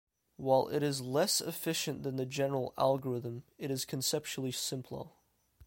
While it is less efficient than the general algorithm, it is conceptually simpler.